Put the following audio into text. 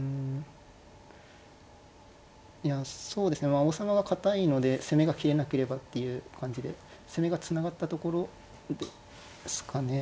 まあ王様が堅いので攻めが切れなければっていう感じで攻めがつながったところですかね。